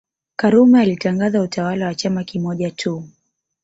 Karume alitangaza utawala wa chama kimoja tu